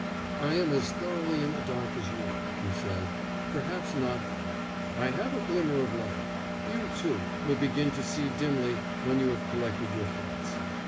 "I am as thoroughly in the dark as you," he said. "Perhaps not, though. I have a glimmer of light; you, too, will begin to see dimly when you have collected your thoughts.